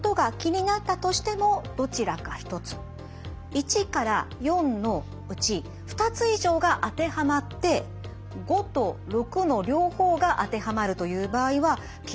１から４のうち２つ以上が当てはまって５と６の両方が当てはまるという場合は緊張型頭痛であると考えられます。